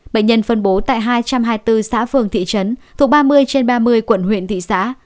bệnh nhân phân bố tại hai trăm hai mươi bốn xã phường thị trấn thuộc ba mươi trên ba mươi quận huyện thị xã